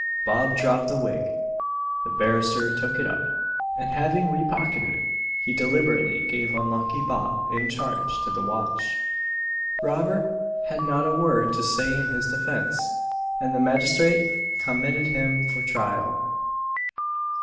Bob dropped the wig; the barrister took it up; and having re pocketed it he deliberately gave unlucky Bob in charge to the watch. Robert had not a word to say in his defence, and the magistrate committed him for trial.